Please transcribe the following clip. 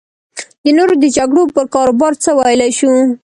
د نورو د جګړو پر کاروبار څه ویلی شو.